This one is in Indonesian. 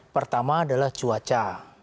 pertama adalah cuaca